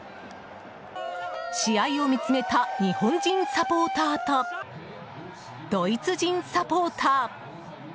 試合を見つめた日本人サポーターとドイツ人サポーター。